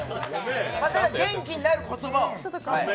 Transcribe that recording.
ただ、元気になる言葉を。